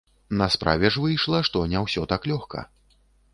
На справе ж выйшла, што не ўсё так лёгка.